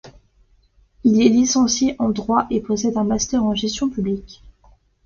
Elle est licenciée en droit et possède un master en gestion publique.